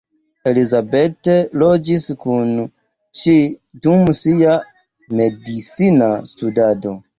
Elizabeth loĝis kun ŝi dum sia medicina studado.